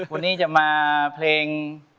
วันนี้จะมาเพลง